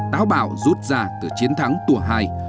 táo bảo rút ra từ chiến thắng tua hai